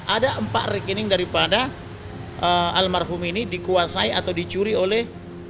ada empat rekening daripada almarhum ini dikuasai atau dicuri oleh